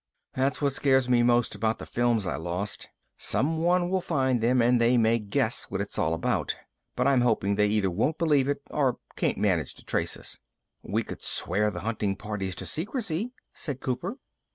That's what scares me the most about those films I lost. Someone will find them and they may guess what it's all about, but I'm hoping they either won't believe it or can't manage to trace us." "We could swear the hunting parties to secrecy," said Cooper.